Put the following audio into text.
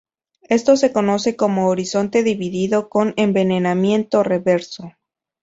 Esto se conoce como horizonte dividido con envenenamiento reverso.